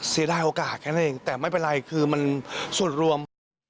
เสียดายโอกาสแค่นั้นเองแต่ไม่เป็นไรคือมันส่วนรวม